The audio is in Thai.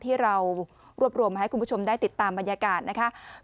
ที่เรารวบรวมมาให้คุณผู้ชมได้ติดตามบรรยากาศนะคะ